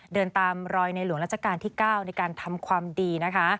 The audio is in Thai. เดินตามรอยในหลวงราชการที่๙ในการทำความดีนะคะ